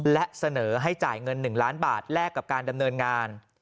และเสนอให้จ่ายเงิน๑ล้านบาทแลกกับการดำเนินงาน